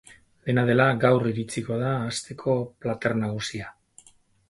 Dena dela, gaur iritsiko da asteko plater nagusia.